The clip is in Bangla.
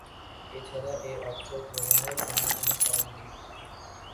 এছাড়া, এ অবসর গ্রহণের অন্য কোন কারণ নেই।